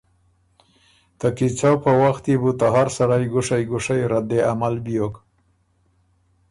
ته کیڅؤ په وخت يې بو ته هر سړئ ګُشئ ګُشئ رد عمل بیوک